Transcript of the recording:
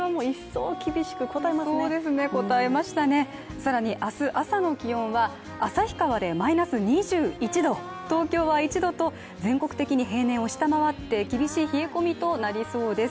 更に明日朝の気温は旭川でマイナス２１度、東京は１度と、全国的に平年を下回って厳しい冷え込みとなりそうです。